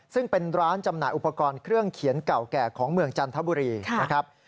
ซึ่งเป็นร้านจำหน่ายอุปกรณ์เครื่องเขียนเก่าแก่ของเมืองจันทบุรีนะครับ